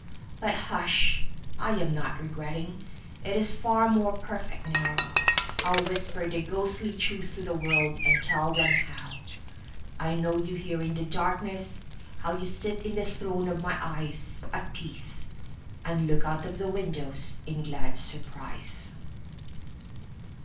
But hush, I am not regretting:It is far more perfect now. I'll whisper the ghostly truth to the worldAnd tell them howI know you here in the darkness, How you sit in the throne of my eyesAt peace, and look out of the windowsIn glad surprise.